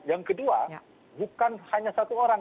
yang kedua bukan hanya satu orang